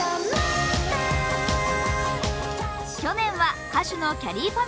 去年は歌手のきゃりーぱみ